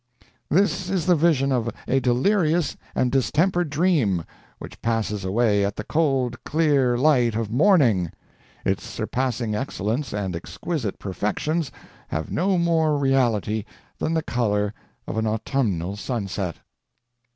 "This is the vision of a delirious and distempered dream, which passes away at the cold clear light of morning. Its surpassing excellence and exquisite perfections have no more reality than the color of an autumnal sunset."